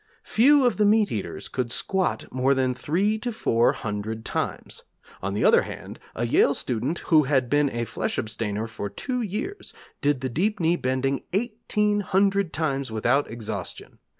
Few of the meat eaters could "squat" more than three to four hundred times. On the other hand a Yale student who had been a flesh abstainer for two years, did the deep knee bending eighteen hundred times without exhaustion....